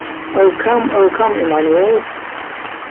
O come O come Emmanuel.